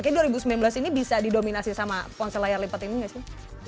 oke dua ribu sembilan belas ini bisa didominasi sama ponsel layar lipat ini nggak sih